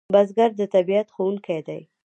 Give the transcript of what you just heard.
بزګر د طبیعت ښوونکی دی